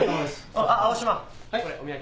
あっ青島これお土産。